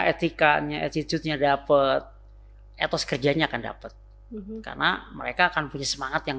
etikanya attitude nya dapat etos kerjanya akan dapat karena mereka akan punya semangat yang